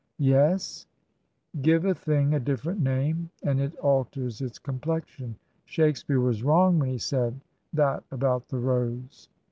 " Yes ?"" Give a thing a different name and it alters its com plexion. Shakespeare was wrong when he said that about the rose."